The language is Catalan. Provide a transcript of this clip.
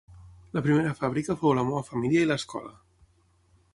La primera fàbrica fou la meva família i l'escola.